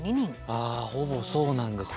あほぼそうなんですね。